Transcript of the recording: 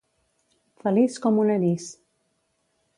Feliç com un anís.